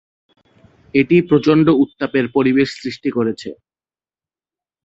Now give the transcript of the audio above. এটি প্রচণ্ড উত্তাপের পরিবেশ সৃষ্টি করে।